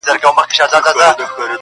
ستا د مړو سترګو کاته زما درمان سي,